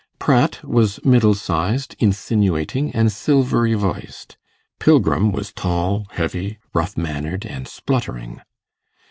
Pratt was middle sized, insinuating, and silvery voiced; Pilgrim was tall, heavy, rough mannered, and spluttering.